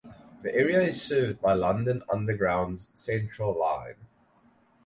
The area is served by London Underground's Central Line.